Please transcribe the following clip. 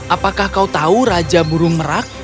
apakah kau tahu raja burung merak